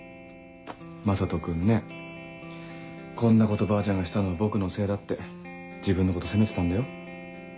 聖人君ねこんなことばあちゃんがしたのは僕のせいだって自分のこと責めてたんだよ。